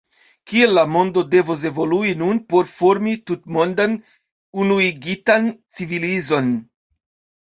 Kiel la mondo devos evolui nun por formi tutmondan, unuigitan civilizon?